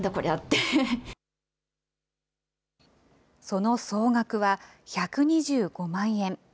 その総額は１２５万円。